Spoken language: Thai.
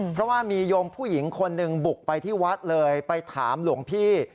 เพราะว่ามีโยมผู้หญิงคนหนึ่งบุกไปที่วัดเลยไปถามหลวงพี่